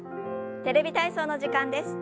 「テレビ体操」の時間です。